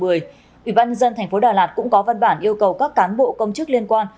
ủy ban dân tp đà lạt cũng có văn bản yêu cầu các cán bộ công chức liên quan